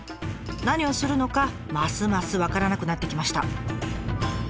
何をするのかますます分からなくなってきました。